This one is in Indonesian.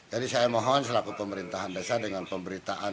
jadi saya mohon selaku pemerintahan desa dengan pemberitahuan